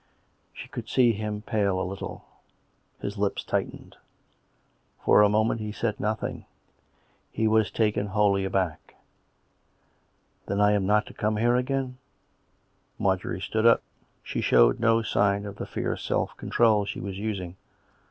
She could see him pale a little; his lips tightened. For a moment he said nothing; he was taken wholly aback. " Then I am not to come here again }" Marjorie stood up. She showed no sign of the fierce self control she was using.